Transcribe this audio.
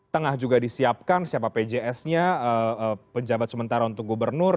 tengah juga disiapkan siapa pjs nya penjabat sementara untuk gubernur